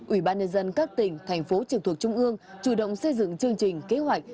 ủy ban nhân dân các tỉnh thành phố trực thuộc trung ương chủ động xây dựng chương trình kế hoạch